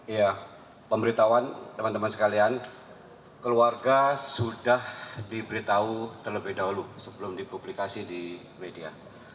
iya pemberitahuan teman teman sekalian keluarga sudah diberitahu terlebih dahulu sebelum dipublikasi di media